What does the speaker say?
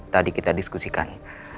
tadi kita diskusikan